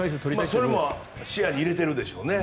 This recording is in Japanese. それも視野に入れているでしょうね。